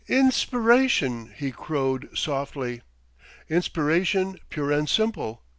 "Inspiration!" he crowed softly. "Inspiration, pure and simple.